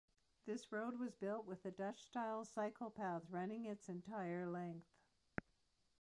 This road was built with a Dutch style cycle path running its entire length.